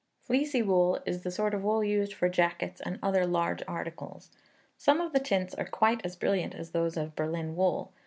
Fleecy wool is the sort of wool used for jackets and other large articles. Some of the tints are quite as brilliant as those of Berlin wool.